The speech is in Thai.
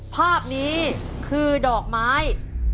ภาพนี้คือดอกไม้